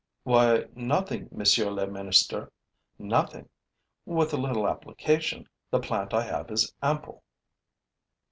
'Why, nothing, monsieur le ministre, nothing! With a little application, the plant I have is ample.'